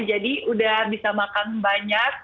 jadi udah bisa makan banyak